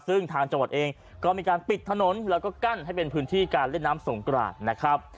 ซึ่งทางจังหวัดเองก็มีการปิดถนนแล้วก็กั้นให้เป็นพื้นที่การเล่นน้ำสงกรานนะครับ